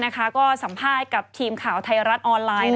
ก็สัมภาษณ์กับทีมข่าวไทยรัฐออนไลน์